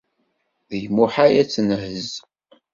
D lmuḥal ad tenhez.